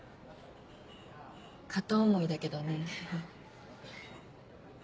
片思いだけどねフフ。